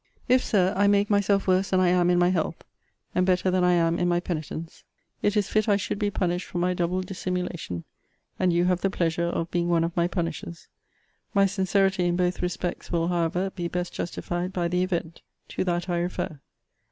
If, Sir, I make myself worse than I am in my health, and better than I am in my penitence, it is fit I should be punished for my double dissimulation: and you have the pleasure of being one of my punishers. My sincerity in both respects will, however, be best justified by the event. To that I refer.